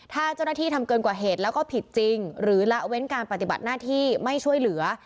ถ้าเจ้าหน้าที่ทำเกินกว่าเหตุแล้วก็ผิดจริงหรือละเว้นการปฏิบัติหน้าที่ไม่ช่วยเหลือ